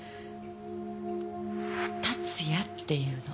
達也っていうの。